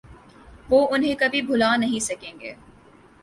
وہ انہیں کبھی بھلا نہیں سکیں گے۔